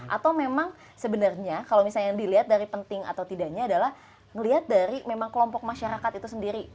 atau memang sebenarnya kalau misalnya yang dilihat dari penting atau tidaknya adalah melihat dari memang kelompok masyarakat itu sendiri